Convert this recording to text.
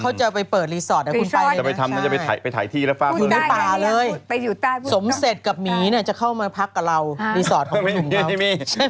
เขาจะไปเปิดรีสอร์ตให้คุณไปเลยนะครับคุณไปป่าเลยสมเสร็จกับหมีเนี่ยจะเข้ามาพักกับเรารีสอร์ตของคุณทุ่มเกาะใช่ไหม